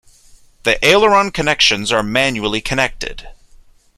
The aileron connections are manually connected.